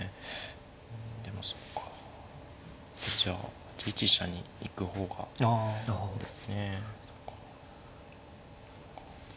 でもそっかじゃあ８一飛車に行く方がですね。